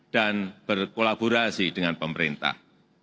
dan berkolaborasi dengan pemerintah